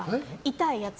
痛いやつ。